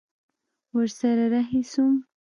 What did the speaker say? ورسره رهي سوم.